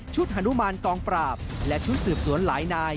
ฮานุมานกองปราบและชุดสืบสวนหลายนาย